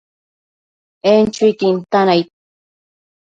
En chuiquin tan aid